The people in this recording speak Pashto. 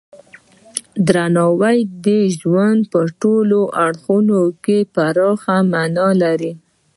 درناوی د ژوند په ټولو اړخونو کې پراخه معنی لري.